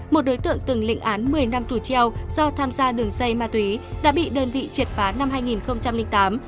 một đối tượng từng lịnh án một mươi năm tù treo do tham gia đường dây ma túy đã bị đơn vị triệt phá năm hai nghìn tám